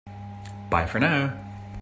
Bye for now!